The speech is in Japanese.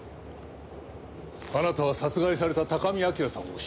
あなたは殺害された高見明さんを知らないと言った。